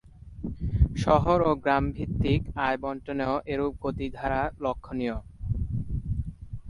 শহর ও গ্রামভিত্তিক আয় বণ্টনেও এরূপ গতিধারা লক্ষণীয়।